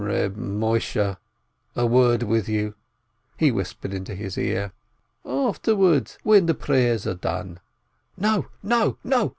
"Reb Moisheh, a word with you," he whispered into his ear. "Afterwards, when the prayers are done." "No, no, no